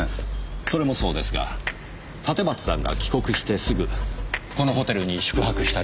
それもそうですが立松さんが帰国してすぐこのホテルに宿泊した理由です。